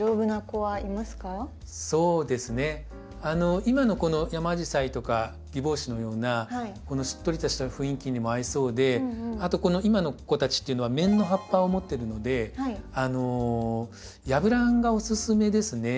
今のこのヤマアジサイとかギボウシのようなこのしっとりとした雰囲気にも合いそうであとこの今の子たちっていうのは面の葉っぱを持ってるのでヤブランがおすすめですね。